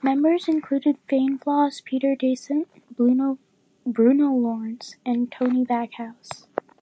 Members included Fane Flaws, Peter Dasent, Bruno Lawrence and Tony Backhouse.